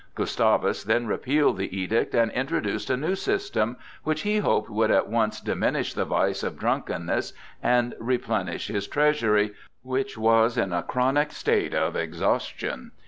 Gustavus then repealed the edict and introduced a new system, which he hoped would at once diminish the vice of drunkenness and replenish his treasury, which was in a chronic state of exhaustion.